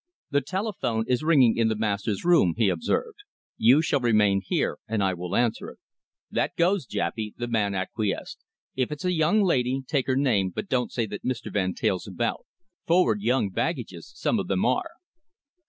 "The telephone is ringing in the master's room," he observed. "You shall remain here, and I will answer it." "That goes, Jappy," the man acquiesced. "If it's a young lady take her name, but don't say that Mr. Van Teyl's about. Forward young baggages some of them are."